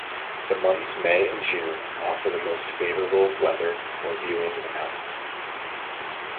The months May and June offer the most favorable weather for viewing the mountain.